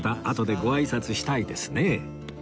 あとでごあいさつしたいですね